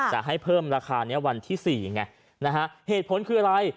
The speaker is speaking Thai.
จะให้เพิ่มราคานี้วันที่๔ไงนะฮะเหตุผลคืออะไร